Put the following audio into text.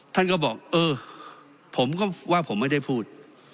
ท่านก็บอกเออผมก็ว่าผมไม่ได้พูด